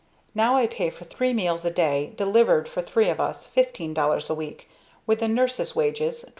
Now I pay for three meals a day, delivered, for three of us, $15 a week with the nurse's wages, $21.